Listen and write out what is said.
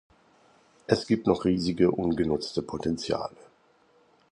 Es gibt noch riesige ungenutzte Potenziale.